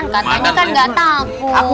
katanya kan gak takut